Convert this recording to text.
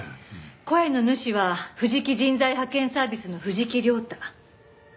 声の主は藤木人材派遣サービスの藤木亮太。